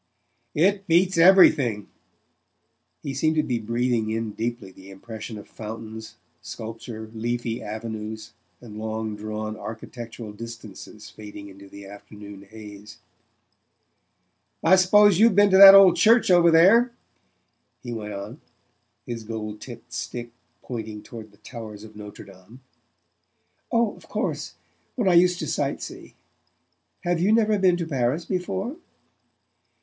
"It beats everything." He seemed to be breathing in deeply the impression of fountains, sculpture, leafy' avenues and long drawn architectural distances fading into the afternoon haze. "I suppose you've been to that old church over there?" he went on, his gold topped stick pointing toward the towers of Notre Dame. "Oh, of course; when I used to sightsee. Have you never been to Paris before?"